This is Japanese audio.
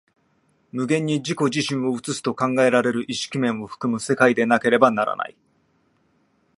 無限に自己自身を映すと考えられる意識面を含む世界でなければならない。